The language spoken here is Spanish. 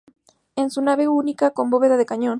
Es de nave única con bóveda de cañón.